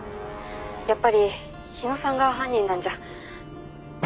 やっぱり日野さんが犯人なんじゃ。